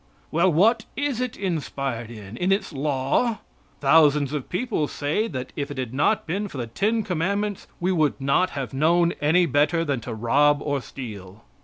Well, what is it inspired in? In its law? Thousands of people say that if it had not been for the ten commandments we would not have known any better than to rob and steal.